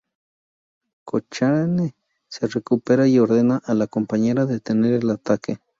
Cochrane se recupera y ordena a la "Compañera" detener el ataque.